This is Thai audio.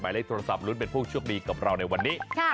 ใบเลขโทรศัพท์รุ่นเป็นพวกช่วงดีกับเราในวันนี้